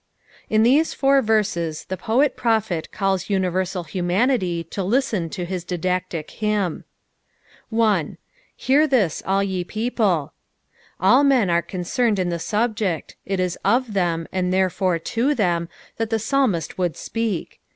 In these four verses the poet prophet calls unireraal humanitf to listen to hiB didactic hjmn. 1. " ifetr this, aU ya people." All mea are coacemed in the subject, it is ^ them, aod therefore to them that the psalmist would apeak.